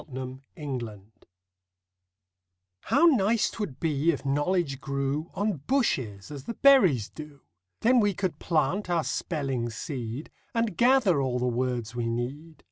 EASY KNOWLEDGE How nice 'twould be if knowledge grew On bushes, as the berries do! Then we could plant our spelling seed, And gather all the words we need.